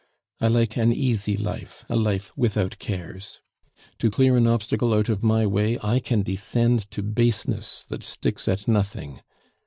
I like an easy life, a life without cares; to clear an obstacle out of my way I can descend to baseness that sticks at nothing.